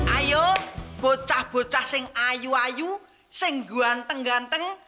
ayo bocah bocah seng ayu ayu seng guanteng ganteng